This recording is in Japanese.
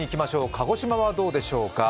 鹿児島はどうでしょうか？